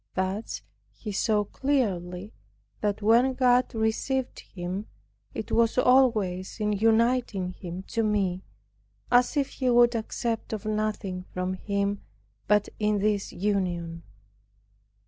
Thus he saw clearly that when God received him, it was always in uniting him to me, as if He would accept of nothing from him but in this union.